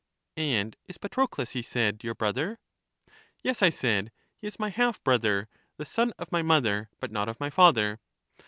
And is Patrocles, he said, your brother? Yes, I said, he is my half brother, the son of my mother, but not of my father.